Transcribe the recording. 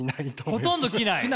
ほとんど着ない？